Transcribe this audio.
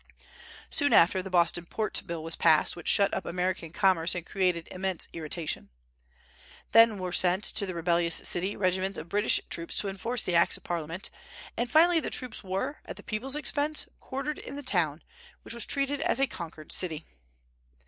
Soon after, the Boston Port Bill was passed, which shut up American commerce and created immense irritation. Then were sent to the rebellious city regiments of British troops to enforce the acts of Parliament; and finally the troops were, at the people's expense, quartered in the town, which was treated as a conquered city.